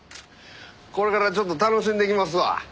これからちょっと楽しんできますわ。